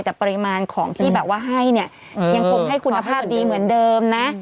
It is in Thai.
แต่ปริมาณของที่แบบว่าให้เนี่ยยังคงให้คุณภาพดีเหมือนเดิมนะ